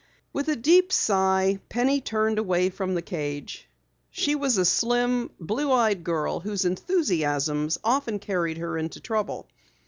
With a deep sigh, Penny turned away from the cage. She was a slim, blue eyed girl whose enthusiasms often carried her into trouble.